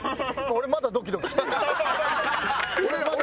俺まだドキドキしてる。